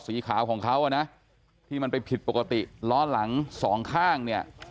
สีขาวของเขาอ่ะนะที่มันไปผิดปกติล้อหลังสองข้างเนี่ย